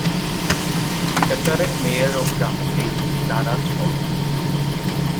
The current mayor of Ramsey is Sarah Strommen.